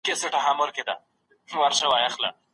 هغه د یخچال دروازه په ارامه پرانیسته.